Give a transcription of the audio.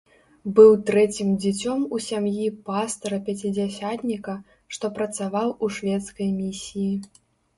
Быў трэцім дзіцём у сям'і пастара-пяцідзясятніка, што працаваў у шведскай місіі.